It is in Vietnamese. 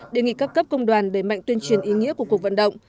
đề nghị các cấp công đoàn đẩy mạnh tuyên truyền ý nghĩa của cuộc vận động